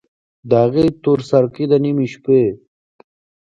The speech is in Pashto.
د هغې تورسرکي، د نیمې شپې